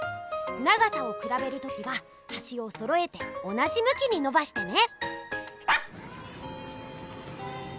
長さをくらべる時ははしをそろえて同じむきにのばしてね！